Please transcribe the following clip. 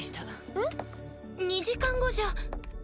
えっ？２時間後じゃ。